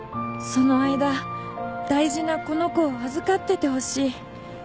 「その間大事なこの子を預かっててほしい」